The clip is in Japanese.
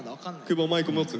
久保マイク持つ？